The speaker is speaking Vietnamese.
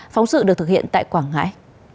phóng sự được thực hiện tại quảng ngãi